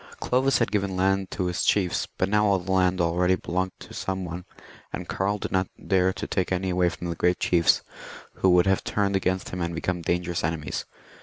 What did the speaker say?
Clovis had given land to his chiefs, but now all the land already belonged to some one, and Karl did not dare to take any away from the great chiefs, who would have turned against him and become dangerous enemies.